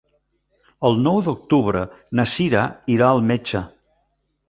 El nou d'octubre na Cira irà al metge.